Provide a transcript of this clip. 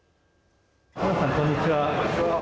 こんにちは。